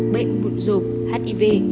bệnh bụn rộp hiv